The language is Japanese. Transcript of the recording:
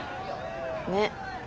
ねっ。